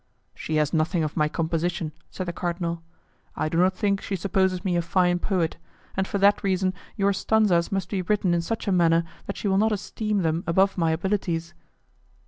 "She has nothing of my composition," said the cardinal; "I do not think she supposes me a fine poet, and for that reason your stanzas must be written in such a manner that she will not esteem them above my abilities."